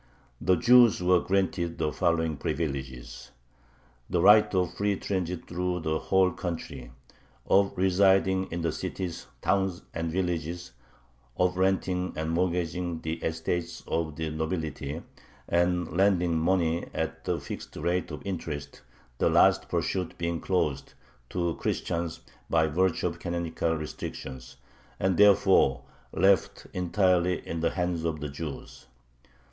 The Jews were granted the following privileges: the right of free transit through the whole country, of residing in the cities, towns, and villages, of renting and mortgaging the estates of the nobility, and lending money at a fixed rate of interest, the last pursuit being closed to Christians by virtue of canonical restrictions, and therefore left entirely in the hands of the Jews.